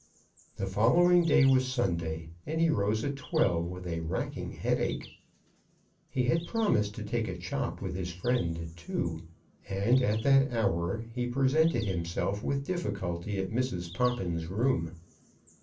The following day was Sunday, and he rose at twelve with a racking headache. He had promised to take a chop with his friend at two, and at that hour he presented himself, with difficulty, at Mrs. Poppins's room.